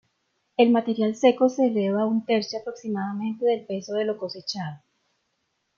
El material seco se eleva a un tercio aproximadamente del peso de lo cosechado.